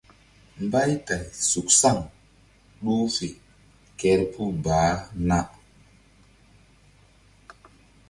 Mbaytay suk saŋ ɗuh fe kerpuh baah na.